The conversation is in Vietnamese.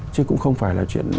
chứ cũng không phải là chuyện